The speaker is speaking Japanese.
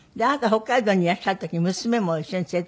北海道にいらっしゃる時娘も一緒に連れて行くの？